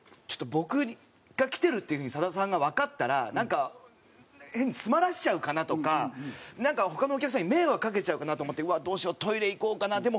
ちょっと僕が来てるっていう風にさださんがわかったらなんか変に詰まらせちゃうかなとかなんか他のお客さんに迷惑かけちゃうかなと思ってうわーどうしようトイレ行こうかな。